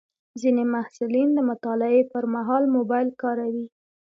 ځینې محصلین د مطالعې پر مهال موبایل کاروي.